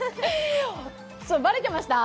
バレてました？